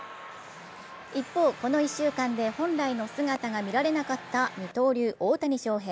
一方、この１週間で本来の姿が見られなかった二刀流・大谷翔平。